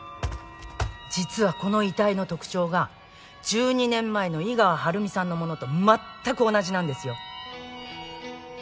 実はこの遺体の特徴が１２年前の井川晴美さんのものと全く同じなんですよ。